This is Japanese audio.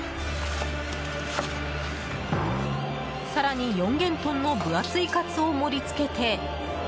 更に、四元豚の分厚いカツを盛り付けて。